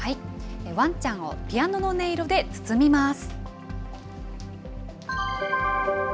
ワンちゃんをピアノの音色で包みます。